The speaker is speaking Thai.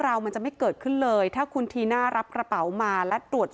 เราจะไม่เกิดขึ้นเลยถ้าคุณทีน่ารับกระเป๋ามาและตรวจ